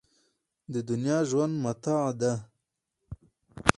د دنیا ژوند متاع ده.